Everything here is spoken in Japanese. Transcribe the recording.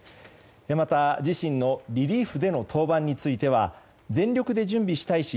また、自身のリリーフでの登板については全力で準備したいし